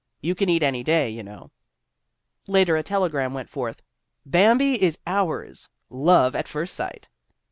You can eat any day, you know. ... Later a telegram went forth : "Bambi is ours. Love at first sight."